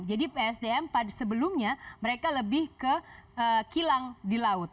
jadi esdm sebelumnya mereka lebih ke kilang di laut